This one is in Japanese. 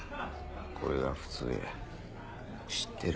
これが普通や知ってる。